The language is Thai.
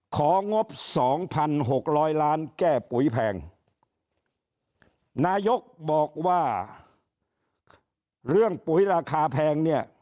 ของงบสองพันหกร้อยล้านแก้ปุ๋ยแพงนายกบอกว่าเรื่องปุ๋ยราคาแพงเนี่ย